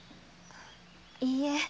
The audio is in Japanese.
いいえ